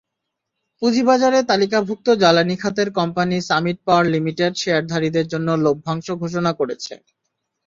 পুঁজিবাজারে তালিকাভুক্ত জ্বালানি খাতের কোম্পানি সামিট পাওয়ার লিমিটেড শেয়ারধারীদের জন্য লভ্যাংশ ঘোষণা করেছে।